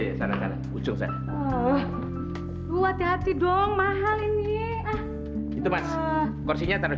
ya sana sana ujung saya tuh hati hati dong mahal ini itu masih kursinya tanah